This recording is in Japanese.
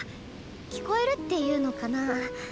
聞こえるっていうのかなあ。